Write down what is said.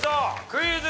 クイズ。